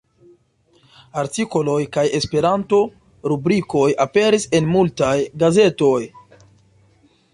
Artikoloj kaj Esperanto-rubrikoj aperis en multaj gazetoj.